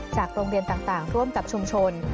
โรงเรียนต่างร่วมกับชุมชน